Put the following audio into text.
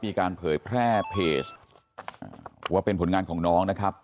เผยแพร่เพจว่าเป็นผลงานของน้องนะครับ